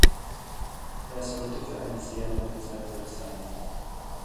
Er sollte für eine sehr lange Zeit weg sein.